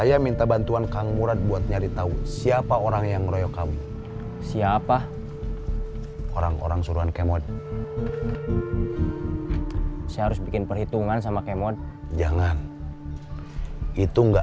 sampai jumpa di video selanjutnya